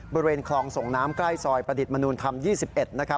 บริเวณคลองส่งน้ำใกล้ซอยประดิษฐ์มนุษย์ธรรมดิ์๒๑